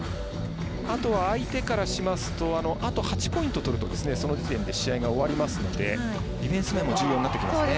あとは相手からしますとあと８ポイントとるとその時点で試合が終わりますのでディフェンス面も重要になってきますね。